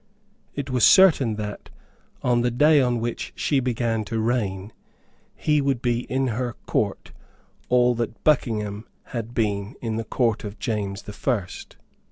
It was certain that, on the day on which she began to reign, he would be in her Court all that Buckingham had been in the Court of James the First.